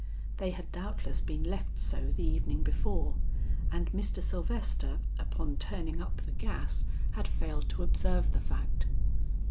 They had doubtless been left so the evening before, and Mr. Sylvester upon turning up the gas had failed to observe the fact.